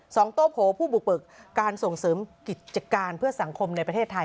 โต้โผผู้บุกปึกการส่งเสริมกิจการเพื่อสังคมในประเทศไทย